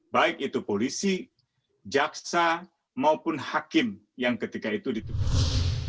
baik itu polisi jaksa maupun hakim yang ketika itu ditugas